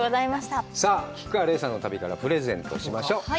さあ、菊川怜さんの旅からプレゼントしましょう！